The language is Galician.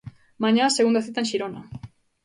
Mañá, segunda cita en Xirona.